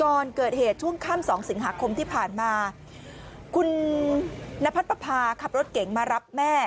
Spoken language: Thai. ก่อนเกิดเหตุช่วงค่ำสองสิงหาคมที่ผ่านมาคุณนพัดปภาขับรถเก๋งมารับแม่